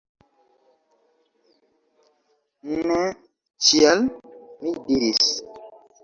Ne, ĉial! mi diris.